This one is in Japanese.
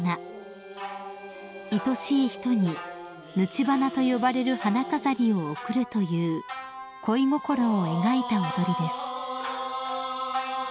［いとしい人に貫花と呼ばれる花飾りを贈るという恋心を描いた踊りです］